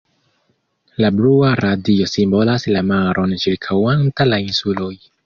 La blua radio simbolas la maron ĉirkaŭanta la insuloj.